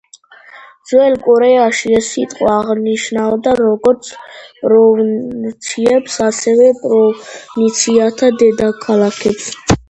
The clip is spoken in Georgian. ძველ კორეაში ეს სიტყვა აღნიშნავდა როგორც პროვინციებს, ასევე პროვინციათა დედაქალაქებს.